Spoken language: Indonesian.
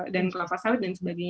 kelapa sawit dan sebagainya